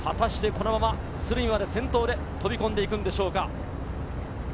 果たしてこのまま鶴見まで先頭で飛び込んでいくんでしょうか。